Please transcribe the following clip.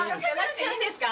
いいですか。